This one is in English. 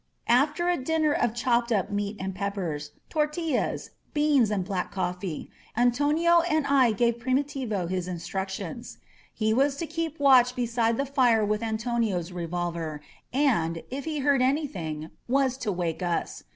After a dinner of chopped up meat and peppers, tor tiUaSy beans and black coffee, Antonio and I gave Primitivo his instructions. He was to keep watch be side the fire with Antonio's revolver and, if he heard anything, was to wake us.